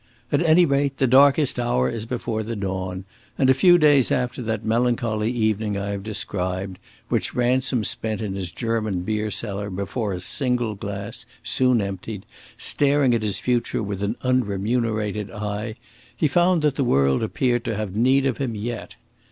At any rate, the darkest hour is before the dawn; and a few days after that melancholy evening I have described, which Ransom spent in his German beer cellar, before a single glass, soon emptied, staring at his future with an unremunerated eye, he found that the world appeared to have need of him yet.